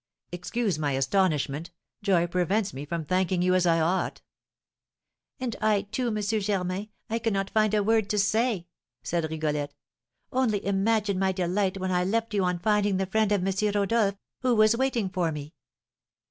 Excuse my astonishment, joy prevents me from thanking you as I ought." "And I, too, M. Germain, I cannot find a word to say," said Rigolette; "only imagine my delight when I left you on finding the friend of M. Rodolph, who was waiting for me."